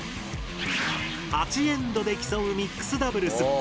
８エンドで競うミックスダブルス。